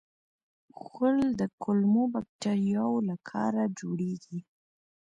غول د کولمو باکتریاوو له کاره جوړېږي.